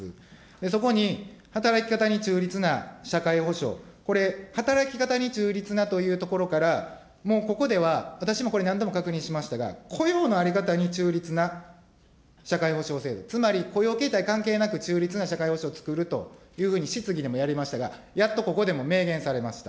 そこに、働き方に中立な社会保障、これ、働き方に中立なというところから、もうここでは、私もこれ、何度も確認しましたが、雇用の在り方に中立な社会保障制度、つまり雇用形態関係なく中立な社会保障をつくるというふうに質疑でもやりましたが、やっとここでも明言されました。